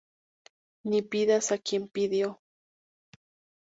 Ni pidas a quien pidió